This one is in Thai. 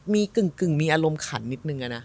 มีกึ่งมีอารมณ์ขันนิดนึงอะนะ